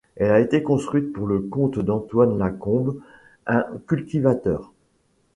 Elle a été construite pour le compte d'Antoine Lacombe, un cultivateur.